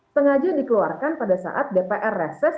sengaja dikeluarkan pada saat dpr reses